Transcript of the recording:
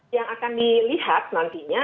yang akan dilihat nantinya